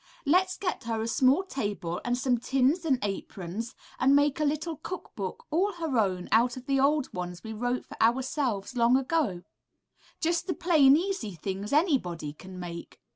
Let's get her a small table and some tins and aprons, and make a little cook book all her own out of the old ones we wrote for ourselves long ago, just the plain, easy things anybody can make.''